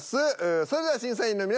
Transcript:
それでは審査員の皆さん